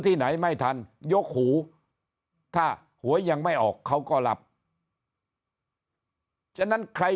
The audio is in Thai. ที่ไหนไม่ทันยกหูถ้าหวยยังไม่ออกเขาก็รับฉะนั้นใคร